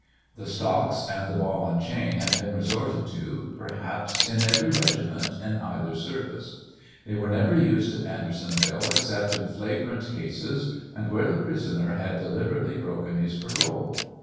The stocks, and the ball and chain, have been resorted to, perhaps, in every regiment in either service. They were never used at Andersonville except in flagrant cases and where the prisoner had deliberately broken his parole.